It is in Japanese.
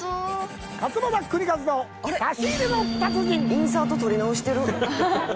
「インサート撮り直してる」